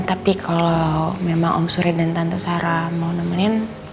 tapi kalau memang om suri dan tante sarah mau nemenin